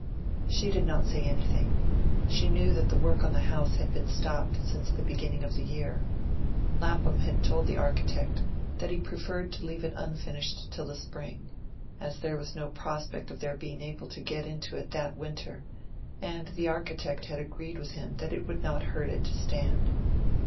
She did not say anything. She knew that the work on the house had been stopped since the beginning of the year. Lapham had told the architect that he preferred to leave it unfinished till the spring, as there was no prospect of their being able to get into it that winter; and the architect had agreed with him that it would not hurt it to stand.